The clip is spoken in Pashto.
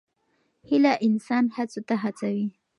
هیله انسان هڅو ته هڅوي.